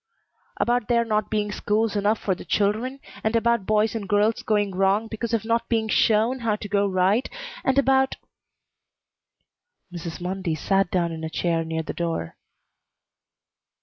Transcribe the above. "About there not being schools enough for the children, and about boys and girls going wrong because of not being shown how to go right, and about " Mrs. Mundy sat down in a chair near the door.